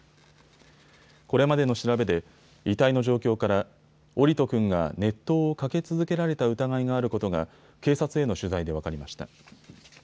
これまでの調べで遺体の状況から桜利斗君が熱湯をかけ続けられた疑いがあることが警察への取材で分かりました。